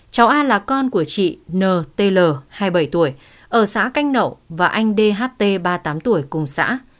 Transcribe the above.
cháu a là con của chị n t l hai mươi bảy tuổi ở xã canh nậu và anh d h t ba mươi tám tuổi cùng xã